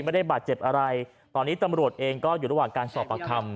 ไม่ได้บาดเจ็บอะไรตอนนี้ตำรวจเองก็อยู่ระหว่างการสอบปากคำ